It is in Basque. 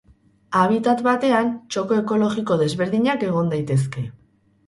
Habitat batean txoko ekologiko desberdinak egon daitezke.